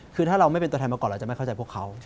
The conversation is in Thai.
คือถ้าเราไม่เป็นตัวแทนมาก่อนเราจะไม่เข้าใจพวกเขา